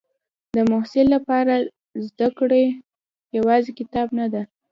د محصل لپاره زده کړه یوازې کتاب نه ده.